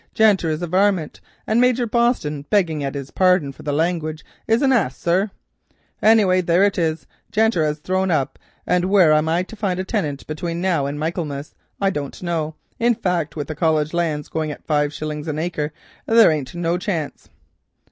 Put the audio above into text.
"Janter is a warmint and Major Boston, begging his pardon for the language, is an ass, sir. Anyway there it is, Janter has thrown up, and where I am to find a tinant between now and Michaelmas I don't know; in fact, with the College lands going at five shillings an acre there ain't no chance."